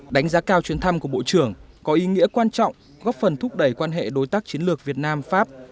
đánh giá cao chuyến thăm của bộ trưởng có ý nghĩa quan trọng góp phần thúc đẩy quan hệ đối tác chiến lược việt nam pháp